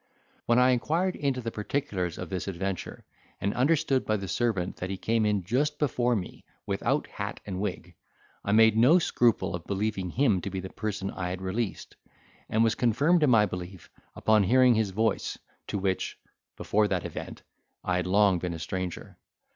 When I inquired into the particulars of this adventure, and understood by the servant that he came in just before me, without hat and wig, I made no scruple of believing him to be the person I had released, and was confirmed in my belief upon hearing his voice, to which (before that event) I had long been a stranger.